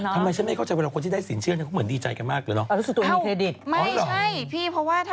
ทำไมฉันไม่เข้าใจเวลาคนที่ได้สินเชื่อเนี่ยเขาเหมือนดีใจกันมากเลยเนาะ